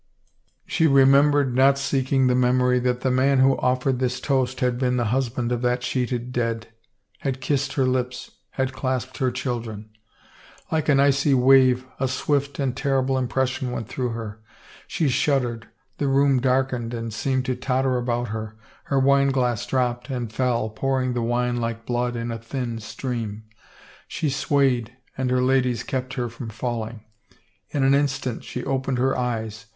She remembered, not seeking the memory, that the man who offered this toast had been the husband of that sheeted dead, had kissed her lips, had clasped her children. Like an icy wave a swift and terrible impression went through her. She shuddered, the room darkened and seemed to totter about her. Her wine glass dropped and fell, pouring the wine like blood in a thin stream; she swayed and her ladies kept her from falling. In an instant she opened her eyes.